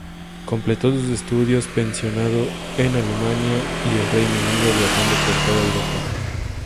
Completó sus estudios, pensionado, en Alemania y el Reino Unido, viajando por toda Europa.